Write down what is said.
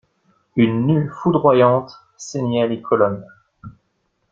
Une nue foudroyante ceignait les colonnes.